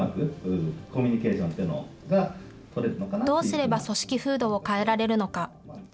どうすれば組織風土を変えられるのか。